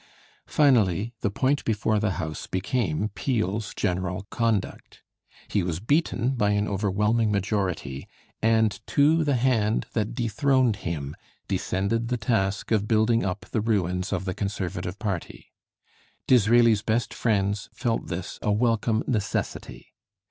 Finally the point before the House became Peel's general conduct. He was beaten by an overwhelming majority, and to the hand that dethroned him descended the task of building up the ruins of the Conservative party. Disraeli's best friends felt this a welcome necessity.